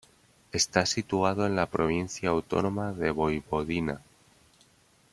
Está situado en la Provincia Autónoma de Voivodina.